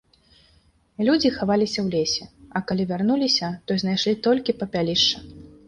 Людзі хаваліся ў лесе, а калі вярнуліся, то знайшлі толькі папялішча.